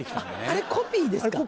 あれコピーですか。